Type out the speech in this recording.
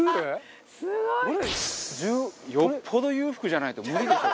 よっぽど裕福じゃないと無理でしょ。